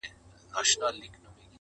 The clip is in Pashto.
ګل دي کم لاچي دي کم لونګ دي کم-